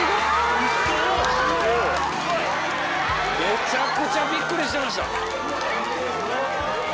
めちゃくちゃビックリしてました。